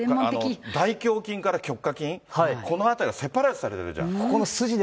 大胸筋からきょっか筋、この辺りがセパレートされてるじゃん。